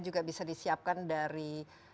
juga bisa disiapkan dari